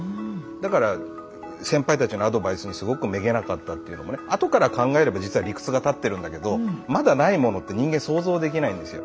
だから先輩たちのアドバイスにすごくめげなかったっていうのもねあとから考えれば実は理屈が立ってるんだけどまだないものって人間想像できないんですよ。